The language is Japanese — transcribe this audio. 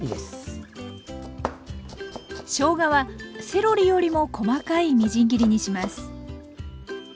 しょうがはセロリよりも細かいみじん切りにします。